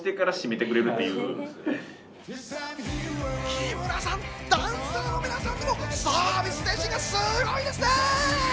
木村さん、ダンサーの皆さんにもサービス精神がすごいですね！